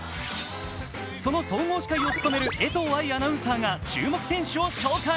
その総合司会を務める江藤愛アナウンサーが注目選手を紹介。